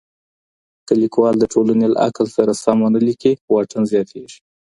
که ليکوال د ټولني له عقل سره سم ونه ليکي، واټن زياتېږي.